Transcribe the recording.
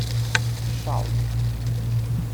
邵語